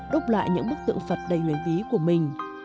đúc lại những bức tượng phật đầy luyến ví của mình